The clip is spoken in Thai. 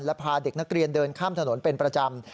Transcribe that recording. และพาเด็กนักเรียนเดินข้ามถนนเป็นประจำ